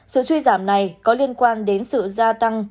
sự suy giảm này có liên quan đến sự gia tăng